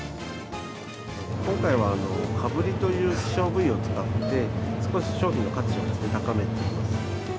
今回は、かぶりという希少部位を使って、少し商品の価値を高めています。